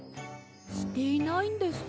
していないんですか？